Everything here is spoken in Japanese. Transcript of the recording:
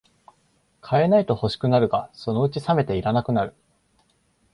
買えないと欲しくなるが、そのうちさめていらなくなる